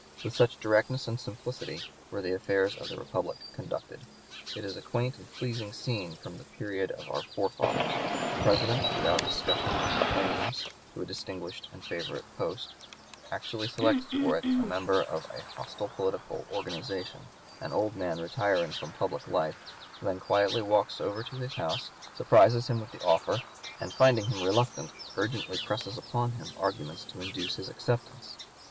With such directness and simplicity were the affairs of the Republic conducted. It is a quaint and pleasing scene from the period of our forefathers: the President, without discussion of "claims" to a distinguished and favorite post, actually selects for it a member of a hostile political organization, an old man retiring from public life; then quietly walks over to his house, surprises him with the offer, and finding him reluctant urgently presses upon him arguments to induce his acceptance.